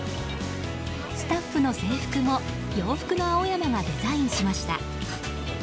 スタッフの制服も洋服の青山がデザインしました。